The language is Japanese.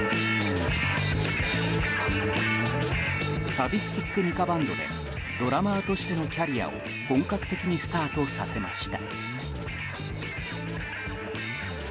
サディスティック・ミカ・バンドでドラマーとしてのキャリアを本格的にスタートさせました。